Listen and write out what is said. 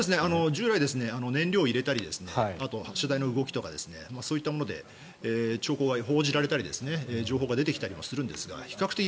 従来、燃料を入れたりあとは発射台の動きとかそういうもので兆候は報じられたり情報は出てきたりもするんですが比較的